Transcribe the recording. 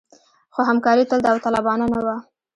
خو همکاري تل داوطلبانه نه وه.